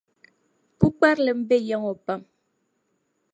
Pukparilim be ya ŋɔ pam.